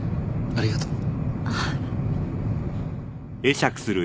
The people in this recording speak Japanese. ありがとう。